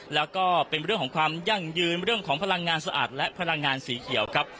แล้วก็เป็นเรื่องของความยั่งยืนเรื่องของพลังงานสะอาดและพลังงานสีเขียวครับ